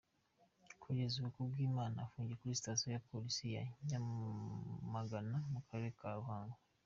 Kugeza ubu Kubwimana afungiye ku station ya polisi ya Nyamagana mu karere ka Ruhango.